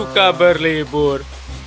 aku suka berlibur